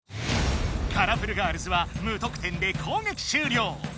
カラフルガールズはむとく点でこうげきしゅうりょう！